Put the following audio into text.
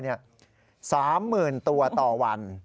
๓หมื่นตัวต่อวัน